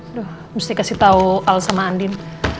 aduh mesti kasih tahu al sama andin